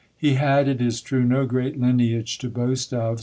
He had, it is true, no great lineage to boast of.